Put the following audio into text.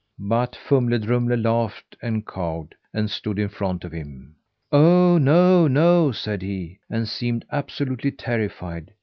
But Fumle Drumle laughed and cawed, and stood in front of him. "Oh, no, no!" said he, and seemed absolutely terrified.